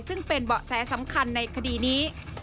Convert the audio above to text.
ซึ่งเป็นเบาะแสสำคัญในคดีนี้